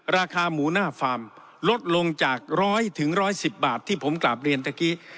ราคาหมูหน้าฟาร์มลดลงจาก๑๐๐๑๑๐บาทที่ผมกราบเรียนตะกี้